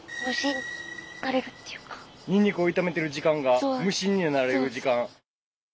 にんにくを炒めてる時間が無心になれる時間。